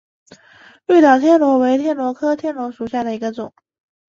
绿岛天螺为天螺科天螺属下的一个种。